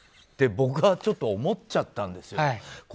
って僕はちょっと思っちゃったんですよ。